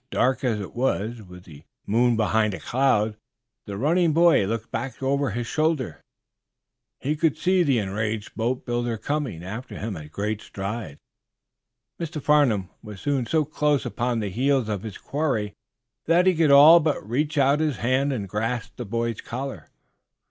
Dark as it was, with the moon behind a cloud, the running boy, looking back over his shoulder, could see the enraged boatbuilder coming after him at great strides. Mr. Farnum was soon so close upon the heels of his quarry that he could all but reach out his hand and grasp the boy's collar.